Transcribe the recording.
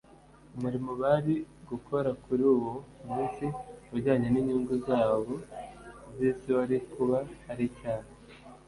umurimo bari gukora kuri uwo munsi ujyanye n’inyungu zabo z’isi wari kuba ari icyaha